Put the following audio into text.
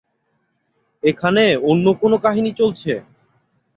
এখানে অন্যকোনো কাহিনী চলছে।